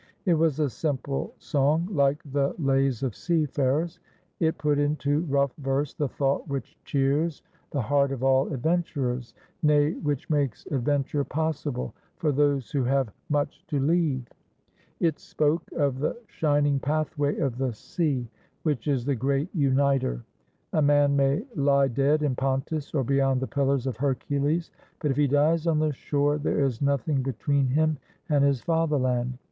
It was a simple song, like the lays of seafarers. It put into rough verse the thought which cheers the heart of all adventurers, nay, which makes adventure possible for those who have much to io8 THE LEMNIAN: A STORY OF THERMOPYLAE leave. It spoke of the shining pathway of the sea which is the Great Uniter. A man may lie dead in Pontus or beyond the Pillars of Hercules, but if he dies on the shore there is nothing between him and his fatherland.